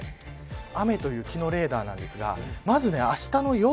雨と雪のレーダーなんですがまず、あしたの夜